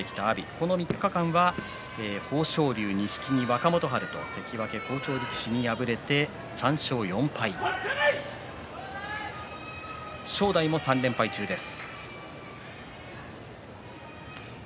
この３日間は豊昇龍、錦木、若元春好調力士に敗れて３勝４敗正代も３連敗中です。